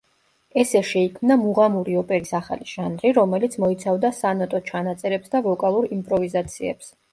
ესე შეიქმნა მუღამური ოპერის ახალი ჟანრი, რომელიც მოიცავდა სანოტო ჩანაწერებს და ვოკალურ იმპროვიზაციებს.